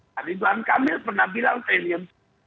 tadi buan kamil pernah bilang premium